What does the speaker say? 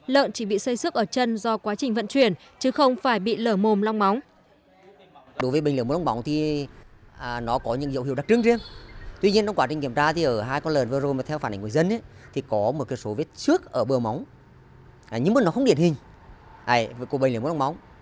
lợn chỉ bị xây sức ở chân do quá trình vận chuyển chứ không phải bị lở mồm long móng